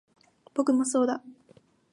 僕もそうだ